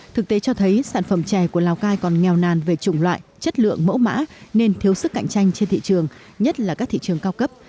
thực tế cho thấy sản phẩm chè của lào cai còn nghèo nàn về chủng loại chất lượng mẫu mã nên thiếu sức cạnh tranh trên thị trường nhất là các thị trường cao cấp